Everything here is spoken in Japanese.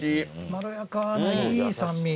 まろやかないい酸味。